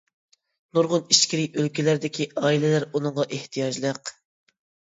نۇرغۇن ئىچكىرى ئۆلكىلەردىكى ئائىلىلەر ئۇنىڭغا ئېھتىياجلىق.